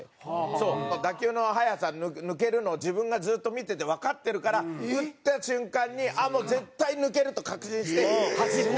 そう打球の速さ抜けるのを自分がずっと見ててわかってるから打った瞬間にもう絶対抜けると確信して走った。